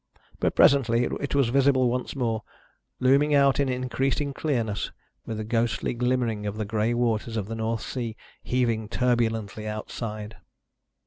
But presently it was visible once more, looming out in increasing clearness, with a ghostly glimmering of the grey waters of the North Sea heaving turbulently outside.